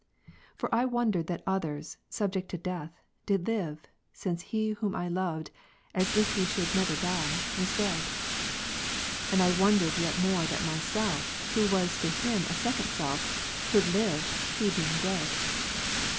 ^^ Fori wondered that others, subject to death, did live, since he whom I loved, as if he should never die, was dead : and I wondered yet more that myself who was to him a second self, could live, he being dead.